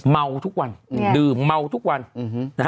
เมาทุกวันดื่มเมาทุกวันนะฮะ